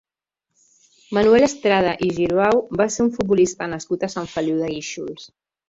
Manuel Estrada i Girbau va ser un futbolista nascut a Sant Feliu de Guíxols.